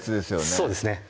そうですね